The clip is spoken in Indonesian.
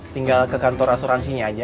tinggal ke kantor asuransinya aja